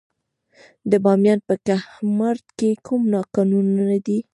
د بامیان په کهمرد کې کوم کانونه دي؟